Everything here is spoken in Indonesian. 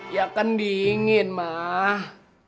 ya kan dingin mah